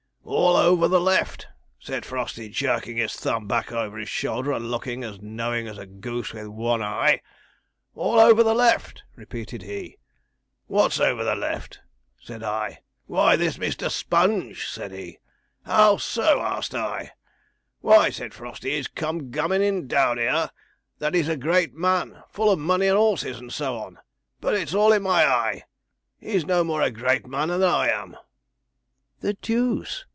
"All over the left," said Frosty, jerking his thumb back over his shoulder, and looking as knowing as a goose with one eye; "all over the left," repeated he. "What's over the left?" said I. "Why, this Mr. Sponge," said he. "How so?" asked I. "Why," said Frosty, "he's come gammonin' down here that he's a great man full of money, and horses, and so on; but it's all my eye, he's no more a great man than I am."' 'The deuce!'